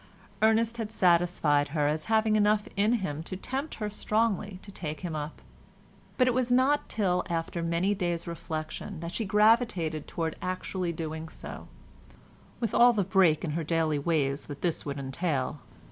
Ernest had satisfied her as having enough in him to tempt her strongly to take him up, but it was not till after many days' reflection that she gravitated towards actually doing so, with all the break in her daily ways that this would entail.